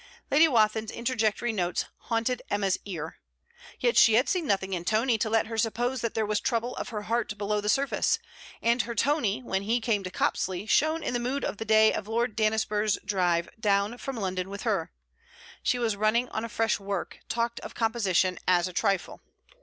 Lady Wathin's interjectory notes haunted Emma's ear. Yet she had seen nothing in Tony to let her suppose that there was trouble of her heart below the surface; and her Tony when she came to Copsley shone in the mood of the day of Lord Dannisburgh's drive down from London with her. She was running on a fresh work; talked of composition as a trifle.